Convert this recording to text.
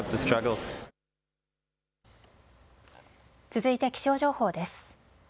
続いて気象情報です。